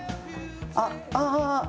あっあぁ。